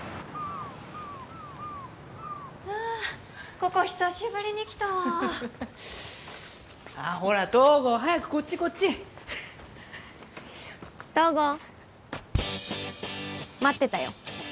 ここ久しぶりに来たああほら東郷早くこっちこっち東郷待ってたよ